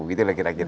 gitu lah kira kira